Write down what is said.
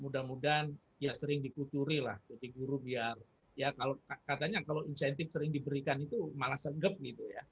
mudah mudahan ya sering dikucuri lah jadi guru biar ya kalau katanya kalau insentif sering diberikan itu malah segep gitu ya